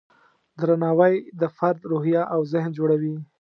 درناوی د فرد روحیه او ذهن جوړوي.